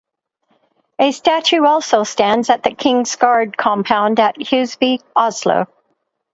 A statue also stands at the King's Guard compound at Huseby, Oslo.